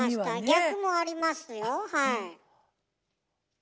逆もありますよはい。